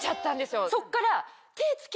そっから。